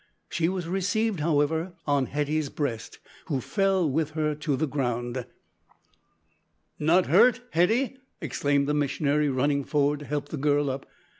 She was received, however, on Hetty's breast, who fell with her to the ground. "Not hurt, Hetty!" exclaimed the missionary, running forward to help the girl up.